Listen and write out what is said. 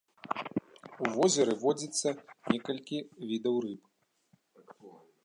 У возеры водзіцца некалькі відаў рыб.